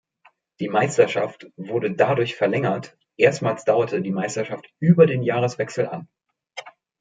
Die Meisterschaft wurde dadurch verlängert, erstmals dauerte die Meisterschaft über den Jahreswechsel an.